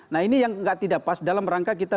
nah ini yang tidak pas dalam rangka kita